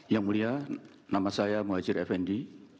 yang mulia nama saya muhajir effendi